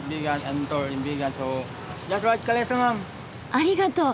ありがとう。